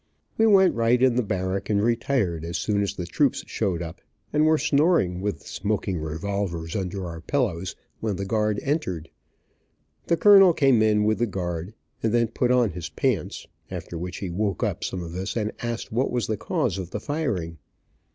We went right in the barrack, and retired, as soon as the troops showed up, and were snoring, with smoking revolvers under our pillows, when the guard entered. The colonel came in with the guard, and then put on his pants, after which he woke up some of us, and asked what was the cause of the firing.